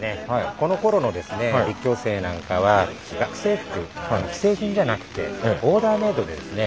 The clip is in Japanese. このころのですね立教生なんかは学生服が既製品じゃなくてオーダーメイドでですね。